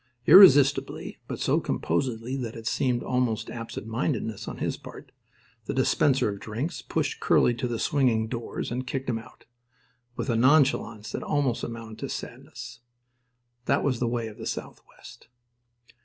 Irresistibly, but so composedly that it seemed almost absendmindedness on his part, the dispenser of drinks pushed Curly to the swinging doors and kicked him out, with a nonchalance that almost amounted to sadness. That was the way of the Southwest.